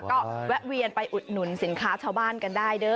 ก็แวะเวียนไปอุดหนุนสินค้าชาวบ้านกันได้เด้อ